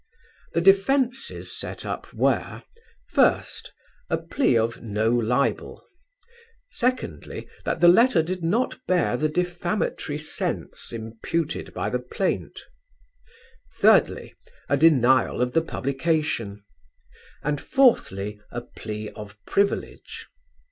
The defences set up were: First, a plea of "No libel": secondly, that the letter did not bear the defamatory sense imputed by the plaint: thirdly, a denial of the publication, and, fourthly, a plea of privilege.